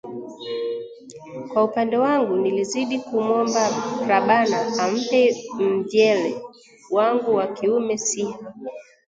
Kwa upande wangu, nilizidi kumwomba Rabana ampe mvyele wangu wa kiume siha